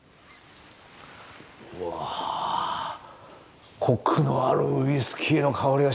うわコクのあるウイスキーの香りがしますね。